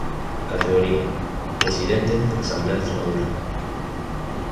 CategoríaːPresidentes de la Asamblea de Extremadura